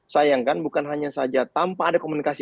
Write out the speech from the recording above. sayangkan bukan hanya saja tanpa ada komunikasi